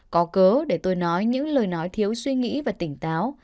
có cớ để tôi nói những lời nói thiếu suy nghĩ và tỉnh táo